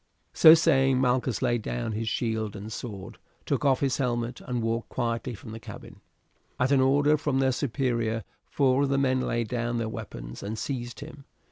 So saying Malchus laid down his shield and sword, took off his helmet, and walked quietly from the cabin. At an order from their superior four of the men laid down their weapons and seized him.